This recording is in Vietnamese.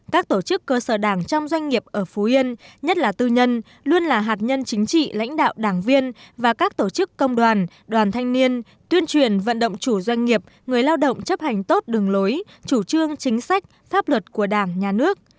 các tổ chức cơ sở đảng trong doanh nghiệp ở phú yên nhất là tư nhân luôn là hạt nhân chính trị lãnh đạo đảng viên và các tổ chức công đoàn đoàn thanh niên tuyên truyền vận động chủ doanh nghiệp người lao động chấp hành tốt đường lối chủ trương chính sách pháp luật của đảng nhà nước